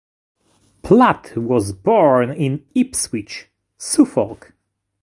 Platt was born in Ipswich, Suffolk.